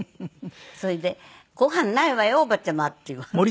それで「ご飯ないわよおばちゃま」って言われる。